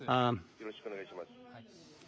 よろしくお願いします。